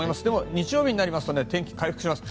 日曜日になりますと天気、回復します。